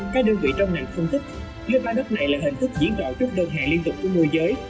các đơn vị trong ngành phân tích lưu ba đất này là hình thức diễn đạo trước đơn hàng liên tục của môi giới